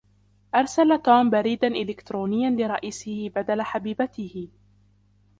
أرسل توم بريدًا إلكترونيًّا لرئيسه بدل حبيبته.